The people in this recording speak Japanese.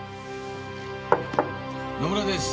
野村です。